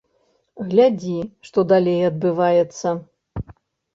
Глядзі, што далей адбываецца.